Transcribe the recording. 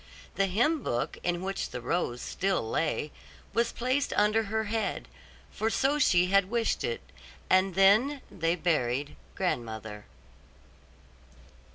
The hymn book, in which the rose still lay, was placed under her head, for so she had wished it; and then they buried grandmother.